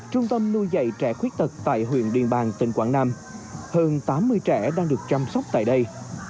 trung tâm nuôi dạy trẻ khuyết tật tại huyện điền bàng tỉnh quảng nam hơn tám mươi trẻ đang được chăm sóc tại đây